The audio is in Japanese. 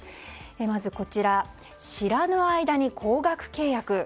まず、知らぬ間に高額契約。